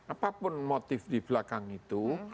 apapun motif di belakang itu